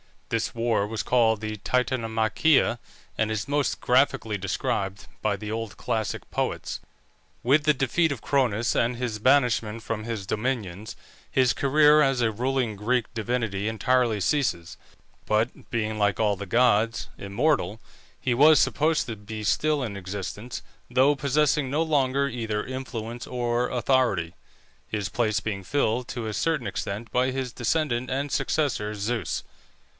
This war was called the Titanomachia, and is most graphically described by the old classic poets. With the defeat of Cronus and his banishment from his dominions, his career as a ruling Greek divinity entirely ceases. But being, like all the gods, immortal, he was supposed to be still in existence, though possessing no longer either influence or authority, his place being filled to a certain extent by his descendant and successor, Zeus.